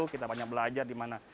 kita banyak belajar di mana